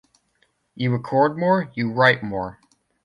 You record more, you write more.